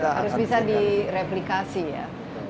harus bisa direplikasi ya